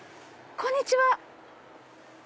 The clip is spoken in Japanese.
こんにちは！